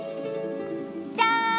じゃん！